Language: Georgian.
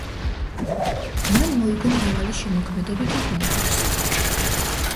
მან მოიგო მრავალი შემოქმედებითი კონკურსი.